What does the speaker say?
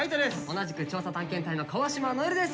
同じく調査探検隊の川島如恵留です！